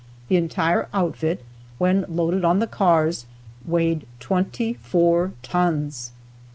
The entire outfit when loaded on the cars, weighed twenty four tons.